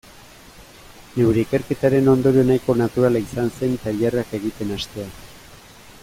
Neure ikerketaren ondorio nahiko naturala izan zen tailerrak egiten hastea.